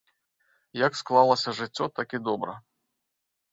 Як склалася жыццё, так і добра.